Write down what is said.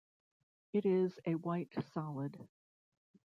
It is a white solid.